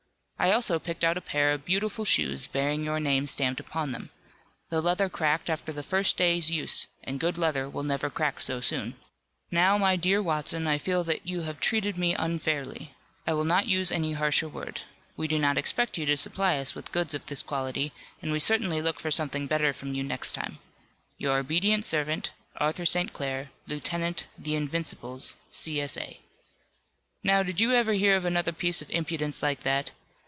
I also picked out a pair of beautiful shoes, bearing your name stamped upon them. The leather cracked after the first day's use, and good leather will never crack so soon. "Now, my dear Mr. Watson, I feel that you have treated me unfairly. I will not use any harsher word. We do not expect you to supply us with goods of this quality, and we certainly look for something better from you next time. "Your obedient servant, ARTHUR ST. CLAIR, Lieutenant 'The Invincibles,' C. S. A." "Now, did you ever hear of another piece of impudence like that?"